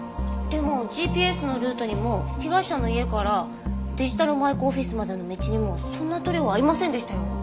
でもＧＰＳのルートにも被害者の家からデジタル舞子オフィスまでの道にもそんな塗料ありませんでしたよ。